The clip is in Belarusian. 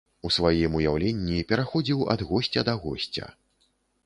У сваім уяўленні пераходзіў ад госця да госця.